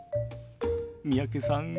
三宅さん